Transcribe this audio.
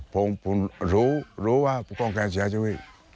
ผมรู้ว่าพวกกองแขนเสียชีวิต